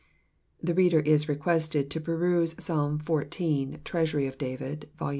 [The reader is requested to peruse Psalm XIV., " Treasury of David,*' Vol.